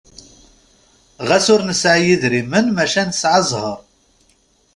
Ɣas ur nesɛi idrimen maca nesɛa zzheṛ!